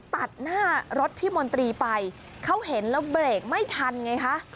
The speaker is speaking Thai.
ตัดหน้ารถพี่มนตรีไปเขาเห็นแล้วเบรกไม่ทันไงคะ